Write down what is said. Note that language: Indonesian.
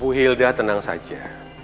bu hilda tenang saja